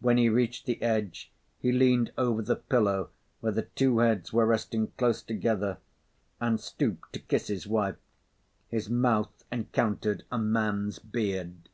When he reached the edge, he leaned over the pillow where the two heads were resting close together and stooped to kiss his wife. His mouth encountered a man's beard.